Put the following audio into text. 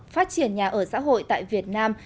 phát triển nhà ở xã hội tại việt nam